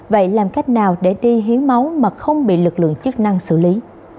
vậy làm cách nào để đi hiến máu mà không bị lực lượng chức năng xử lý